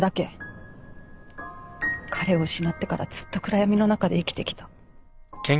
彼を失ってからずっと暗闇の中で生きてきた。